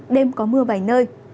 đêm có mưa vài nơi